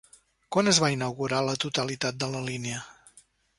Quan es va inaugurar la totalitat de la línia?